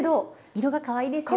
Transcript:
色がかわいいですよね。